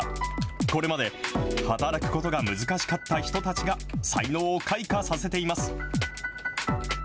これまで働くことが難しかった人たちが才能を開花させています。